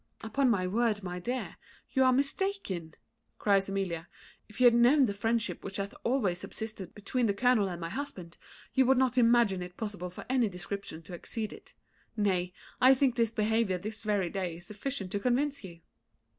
"Upon my word, my dear, you are mistaken," cries Amelia. "If you had known the friendship which hath always subsisted between the colonel and my husband, you would not imagine it possible for any description to exceed it. Nay, I think his behaviour this very day is sufficient to convince you."